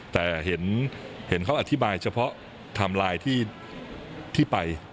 แต่เห็นเขาอธิบายเฉพาะไทม์ไลน์ที่ไป